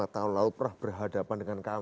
tapi berlawanan ya